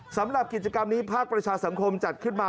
สำหรับกิจกรรมนี้ภาคประชาสังคมจัดขึ้นมา